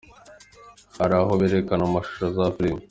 Hari aho berekana amashusho, za filimi.